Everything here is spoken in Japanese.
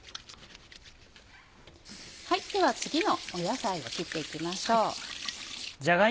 では次の野菜を切っていきましょう。